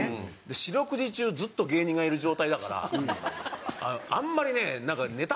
四六時中ずっと芸人がいる状態だからあんまりねネタ